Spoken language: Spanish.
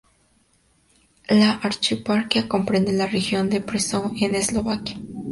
La archieparquía comprende la región de Prešov en Eslovaquia.